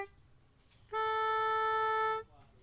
pertama suara dari biasusu